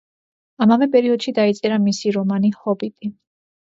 ამავე პერიოდში დაიწერა მისი რომანი „ჰობიტი“.